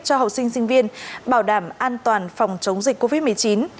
cho học sinh sinh viên bảo đảm an toàn phòng chống dịch covid một mươi chín